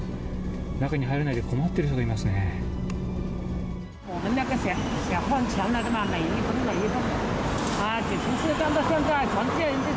中に入れないで困っている人がいますね。